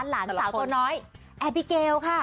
หลานสาวตัวน้อยแอบิเกลค่ะ